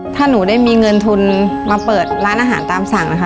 ถ้าหนูได้มีเงินทุนมาเปิดร้านอาหารตามสั่งนะคะ